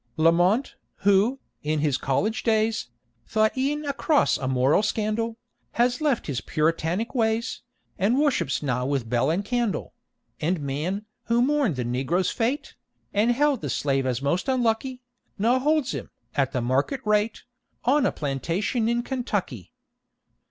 LAMONT, who, in his college days, Thought e'en a cross a moral scandal, Has left his Puritanic ways, And worships now with bell and candle; And MANN, who mourned the negro's fate, And held the slave as most unlucky, Now holds him, at the market rate, On a plantation in Kentucky!